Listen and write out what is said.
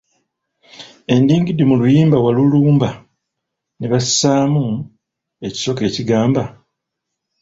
Endingidi mu luyimba Walulumba , ne bassaamu ekisoko ekigamba.